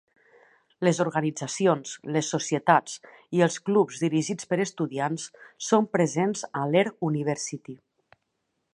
Les organitzacions, les societats i els clubs dirigits per estudiants són presents a l'Air University.